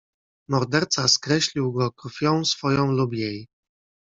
"Morderca skreślił go krwią swoją lub jej."